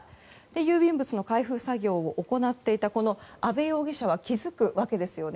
郵便物の開封作業を行っていた阿部容疑者が気付くわけですよね。